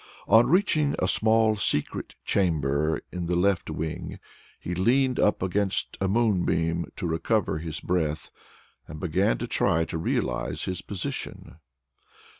On reaching a small secret chamber in the left wing, he leaned up against a moonbeam to recover his breath, and began to try and realize his position.